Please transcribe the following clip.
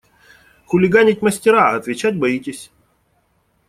Хулиганить мастера, а отвечать боитесь!